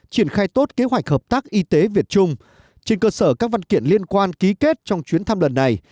triển khai tốt kế hoạch hợp tác y tế việt trung trên cơ sở các văn kiện liên quan ký kết trong chuyến thăm lần này